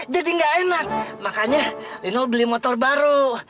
jadi ga enak makanya linol beli motor baru